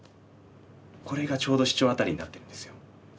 これがちょうどシチョウアタリになってるんですよ。